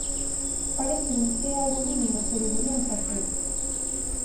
Paréceme que é algo mínimo que deberían facer.